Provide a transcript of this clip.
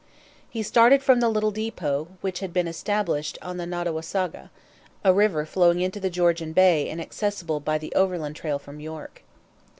He started from the little depot which had been established on the Nottawasaga, a river flowing into the Georgian Bay and accessible by the overland trail from York.